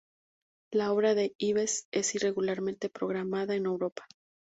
La obra de Ives es regularmente programada en Europa.